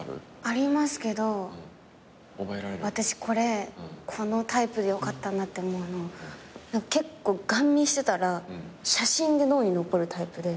ありますけど私これこのタイプでよかったなって思うの結構ガン見してたら写真で脳に残るタイプで。